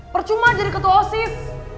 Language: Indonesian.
percuma jadi ketua osis